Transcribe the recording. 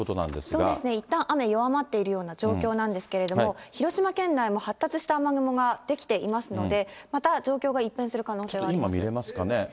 そうですね、いったん雨、弱まっているような状況なんですけれども、広島県内、発達した雨雲が出来ていますので、また状況が今、見えますかね。